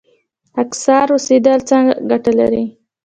خاکسار اوسیدل څه ګټه لري؟